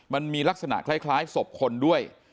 มันมีลักษณะคล้ายศพคนด้วย